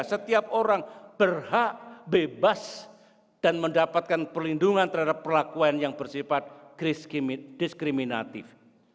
setiap orang berhak bebas dan mendapatkan perlindungan terhadap perlakuan yang bersifat criskimit diskriminatif